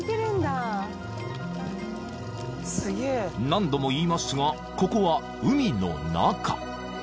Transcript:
［何度も言いますがここは海の中］